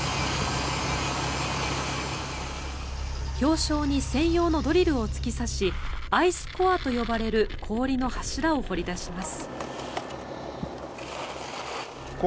氷床に専用のドリルを突き刺しアイスコアと呼ばれる氷の柱を掘り出します。